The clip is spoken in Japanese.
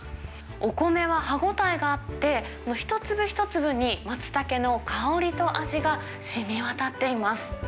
お米は歯応えがあって、一粒一粒にマツタケの香りと味がしみわたっています。